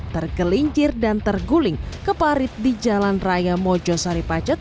tergelincir dan terguling keparit di jalan raya mojo saripacat